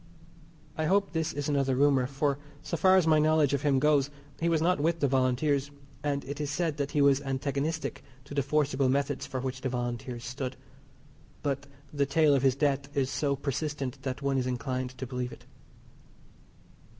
I hope this is another rumour, for, so far as my knowledge of him goes, he was not with the Volunteers, and it is said that he was antagonistic to the forcible methods for which the Volunteers stood. But the tale of his death is so persistent that one is inclined to believe it.